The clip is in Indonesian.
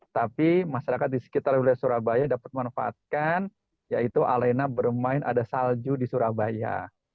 tapi masyarakat di sekitar wilayah surabaya dapat memanfaatkan yaitu alena bermain ada salju di surabaya